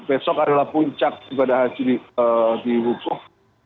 besok adalah puncak ibadah haji di wukuf